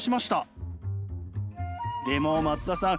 でも松田さん